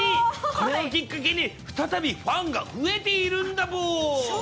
これをきっかけに、再びファンが増えているんだボー。